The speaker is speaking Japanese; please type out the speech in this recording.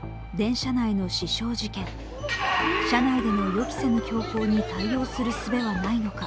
車内での予期せぬ凶行に対応するすべはないのか。